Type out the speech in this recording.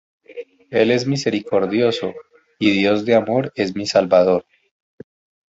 Él es misericordioso, y Dios de amor es mi salvador.